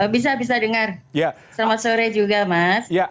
bisa bisa dengar selamat sore juga mas